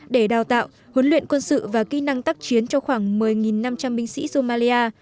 để đào tạo huấn luyện quân sự và kỹ năng tác chiến cho khoảng một mươi năm trăm linh binh sĩ somali